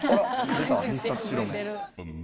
出た必殺白目。